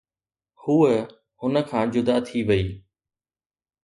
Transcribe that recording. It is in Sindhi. هوءَ هن کان جدا ٿي وئي.